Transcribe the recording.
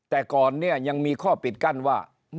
แต่ก่อนเนี่ยยังมีข้อปิดกั้นว่า